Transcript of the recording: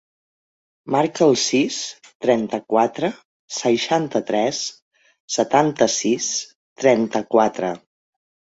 Marca el sis, trenta-quatre, seixanta-tres, setanta-sis, trenta-quatre.